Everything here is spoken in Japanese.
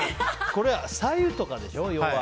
白湯とかでしょ、要は。